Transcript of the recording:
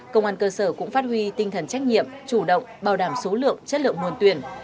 công an cơ sở cũng phát huy tinh thần trách nhiệm chủ động bảo đảm số lượng chất lượng nguồn tuyển